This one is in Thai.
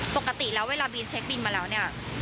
ปกติแล้วเวลาบินเช็คบินมาแล้วเนี่ย